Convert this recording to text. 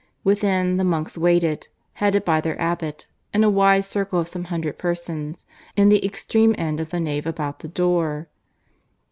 Within, the monks waited, headed by their abbot, in a wide circle of some hundred persons, in the extreme end of the nave about the door.